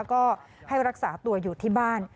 ก็ให้รักษาตัวอยู่ที่บ้าน